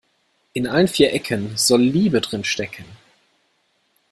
In allen vier Ecken soll Liebe drin stecken.